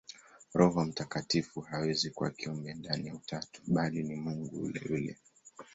Roho Mtakatifu hawezi kuwa kiumbe ndani ya Utatu, bali ni Mungu yule yule.